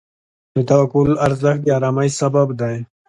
د توکل ارزښت د آرامۍ سبب دی.